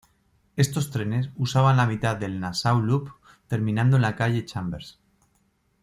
Estos trenes usaban la mitad del Nassau Loop, terminando en la Calle Chambers.